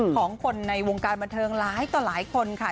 ของคนในวงการบันเทิงหลายต่อหลายคนค่ะ